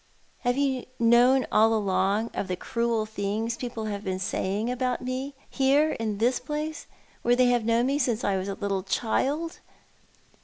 Have you known all along of the cruel things people have been saying about me — here, in this place, where they have known me since I was a little child?"